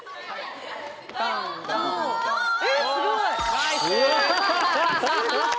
ナイスー！